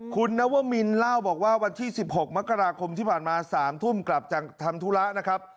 คุณนวมินเล่าบอกว่าวันที่๑๖มกราคมที่ผ่านมา๓ทุ่มกลับจากทำธุระนะครับ